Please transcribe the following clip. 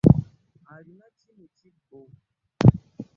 Alina ki mu kibbo?